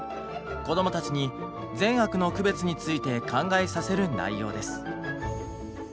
こどもたちに善悪の区別について考えさせる内容です。